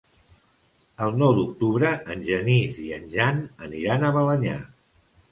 El nou d'octubre en Genís i en Jan aniran a Balenyà.